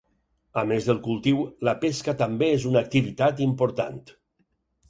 A més del cultiu, la pesca també és una activitat important.